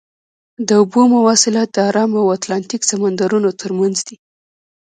د اوبو مواصلات د ارام او اتلانتیک سمندرونو ترمنځ دي.